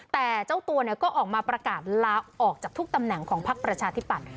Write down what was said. แต่เจ้าตัวก็ออกมาประกาศลาออกจากทุกตำแหน่งของพักประชาธิปัตย